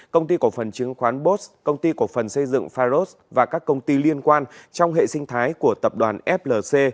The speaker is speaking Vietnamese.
công ty cổ phần chứng khoán bos công ty cổ phần xây dựng pharos và các công ty liên quan trong hệ sinh thái của tập đoàn flc